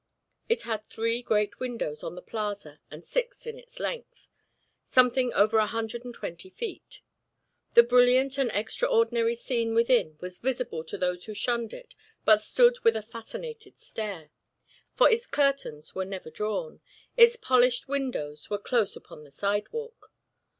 It had three great windows on the plaza and six in its length, something over a hundred and twenty feet. The brilliant and extraordinary scene within was visible to those who shunned it but stood with a fascinated stare; for its curtains were never drawn, its polished windows were close upon the sidewalk.